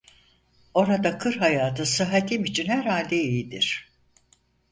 Orada kır hayatı sıhhatim için herhalde iyidir.